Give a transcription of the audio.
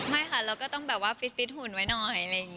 ไม่ค่ะเราก็ต้องแบบว่าฟิตหุ่นไว้หน่อยอะไรอย่างนี้